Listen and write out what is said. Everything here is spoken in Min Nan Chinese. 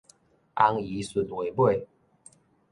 尪姨順話尾